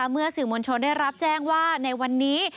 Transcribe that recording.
เมื่อสื่อมวลชนได้รับแจ้งว่าในวันนี้